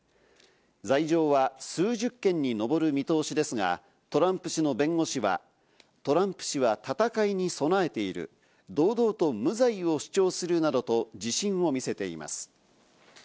罪状は数十件にのぼる見通しですが、トランプ氏の弁護士はトランプ氏は戦いに備えている、堂々と無罪を主張するなどと自信を見せています。